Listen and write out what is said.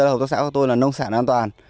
hợp tác xã của tôi là nông sản an toàn